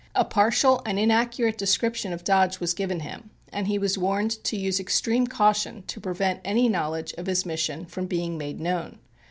A partial and inaccurate description of Dodge was given him and he was warned to use extreme caution to prevent any knowledge of his mission from being made known.